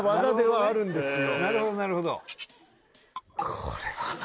これはな